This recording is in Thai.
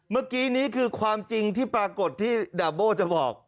เมื่อกี้นี้คือความจริงที่ปรากฏที่ดาบโบ้จะบอก